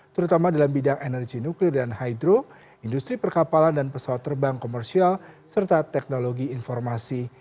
terutama dalam bidang energi nuklir dan hydro industri perkapalan dan pesawat terbang komersial serta teknologi informasi